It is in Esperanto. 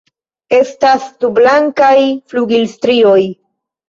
Estas du blankaj flugilstrioj.